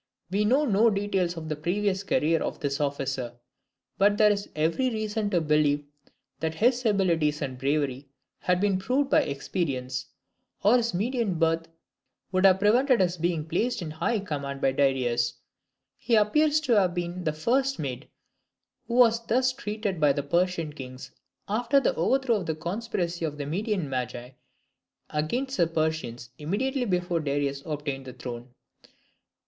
We know no details of the previous career of this officer; but there is every reason to believe that his abilities and bravery had been proved by experience, or his Median birth would have prevented his being placed in high command by Darius. He appears to have been the first Mede who was thus trusted by the Persian kings after the overthrow of the conspiracy of the Median Magi against the Persians immediately before Darius obtained the throne.